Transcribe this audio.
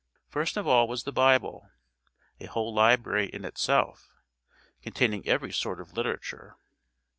First of all was the Bible, a whole library in itself, containing every sort of literature.